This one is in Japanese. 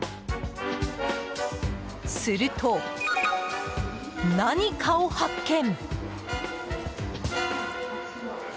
すると、何かを発見！